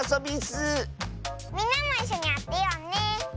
みんなもいっしょにあてようねえ。